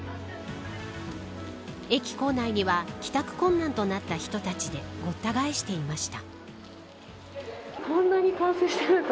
駅構内には帰宅困難となった人たちでごった返していました。